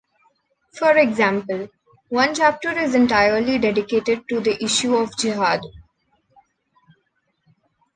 For example, one chapter is entirely dedicated to the issue of jihad.